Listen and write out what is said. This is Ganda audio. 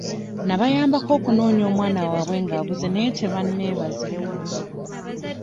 Nabayambako okunoonya omwana waabwe ng'abuze naye tebanneebaza.